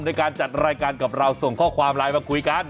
ในการจัดรายการกับเราส่งข้อความไลน์มาคุยกัน